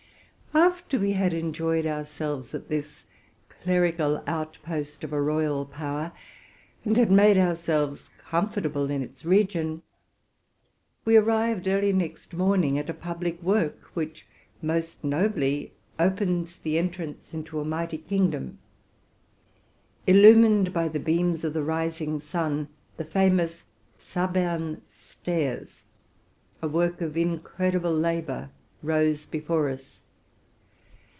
After we had enjoyed ourselves at this clerical outpost of RELATING TO MY LIFE. yay a royal power, and had made ourselves comfortable in its re gion, ewe arrived early next morning at a public work, which most nobly opens the entrance into a mighty kingdom. — Tlu mined by the beams of the rising sun, the famous Zabern stairs, a work of incredible labor, rose before us.